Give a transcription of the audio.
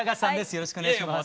よろしくお願いします。